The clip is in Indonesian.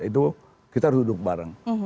itu kita harus duduk bareng